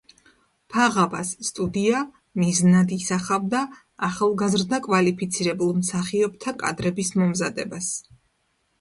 ფაღავას სტუდია მიზნად ისახავდა ახალგაზრდა კვალიფიცირებულ მსახიობთა კადრების მომზადებას.